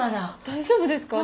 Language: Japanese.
大丈夫ですか？